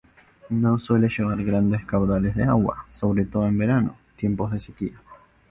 No suele llevar grandes caudales de agua, sobre todo en verano, tiempos de sequía.